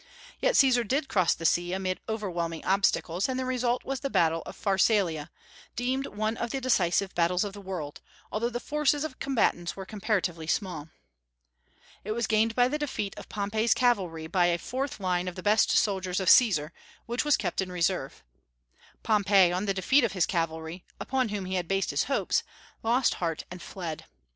Yet Caesar did cross the sea amid overwhelming obstacles, and the result was the battle of Pharsalia, deemed one of the decisive battles of the world, although the forces of the combatants were comparatively small. It was gained by the defeat of Pompey's cavalry by a fourth line of the best soldiers of Caesar, which was kept in reserve. Pompey, on the defeat of his cavalry, upon whom he had based his hopes, lost heart and fled.